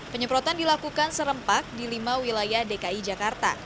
penyemprotan dilakukan serempak di lima wilayah dki jakarta